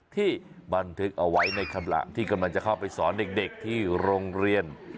ที่บันทึกเอาไว้ในขณะที่กำลังจะเข้าไปสอนเด็กที่โรงเรียน